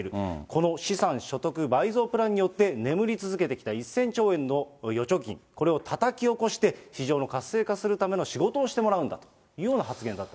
この資産所得倍増プランによって、眠り続けてきた１０００兆円の預貯金、これをたたき起こして、市場の活性化するための仕事をしてもらうんだというような発言だ